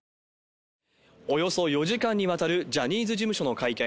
およそ４時間にわたるジャニーズ事務所の会見。